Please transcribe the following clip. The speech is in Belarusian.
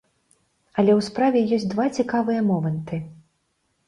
Але ў справе ёсць два цікавыя моманты.